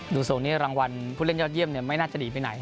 ดูทรงนี้รางวัลผู้เล่นยอดเยี่ยมไม่น่าจะหนีไปไหน